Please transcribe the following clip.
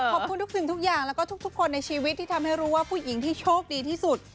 ขอบคุณทุกสิ่งทุกอย่างแล้วก็ทุกคนในชีวิตที่ทำให้รู้ว่าผู้หญิงที่โชคดีที่สุด